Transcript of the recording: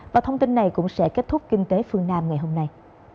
và thông tin này cũng sẽ kết thúc kinh tế phương nam ngày hôm nay